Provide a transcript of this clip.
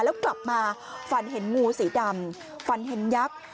แล้วกลับมาฝันเห็นงูสีดำฝันเห็นยักษ์